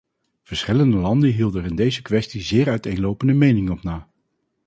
Verschillende landen hielden er in deze kwestie zeer uiteenlopende meningen op na.